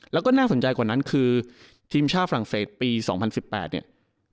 แล้วก็น่าสนใจกว่านั้นคือทีมชาติฝรั่งเศสปี๒๐๑๘เนี่ย